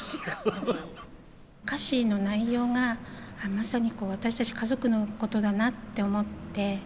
歌詞の内容がまさに私たち家族のことだなって思って。